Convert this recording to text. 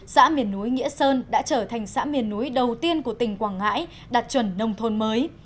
xã miền núi nghĩa sơn đã trở thành xã miền núi đầu tiên của tỉnh quảng ngãi đạt chuẩn nông thôn mới